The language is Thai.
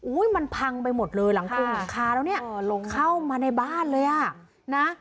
โอ้ยมันพังไปหมดเลยหลังพุ่งขาแล้วเนี้ยเออลงเข้ามาในบ้านเลยอ่ะนะ